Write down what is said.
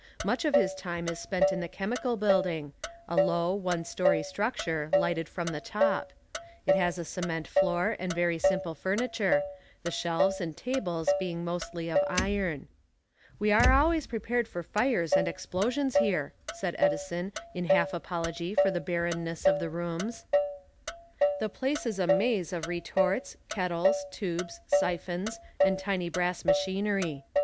Much of his time is spent in the Chemical Building, a low, one story structure, lighted from the top. It has a cement floor and very simple furniture, the shelves and tables being mostly of iron. "We are always prepared for fires and explosions here," said Edison in half apology for the barrenness of the rooms. The place is a maze of retorts, kettles, tubes, siphons and tiny brass machinery.